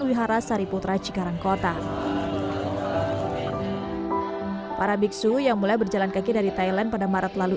wihara sariputra cikarangkota para biksu yang mulai berjalan kaki dari thailand pada maret lalu